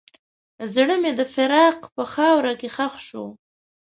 زړه مې د فراق په خاوره کې ښخ شو.